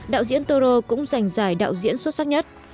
đạo diễn toro cũng giành giải đạo diễn xuất sắc nhất